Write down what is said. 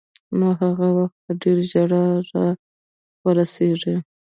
نو هغه وخت به ډېر ژر را ورسېږي.